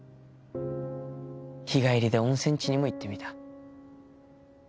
日帰りで温泉地にも行ってみた。